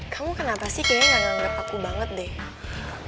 kamu kenapa sih kayaknya gak nganggep aku banget deh